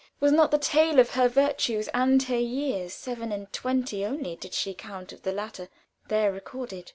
Was not the tale of her virtues and her years seven and twenty only did she count of the latter there recorded?